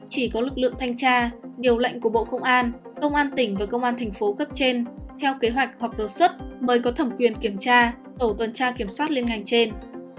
chỉ có lực lượng thanh tra điều lệnh của bộ công an công an tỉnh và công an thành phố cấp trên theo kế hoạch hoặc đột xuất mới có thẩm quyền kiểm tra tổ tuần tra kiểm soát liên ngành trên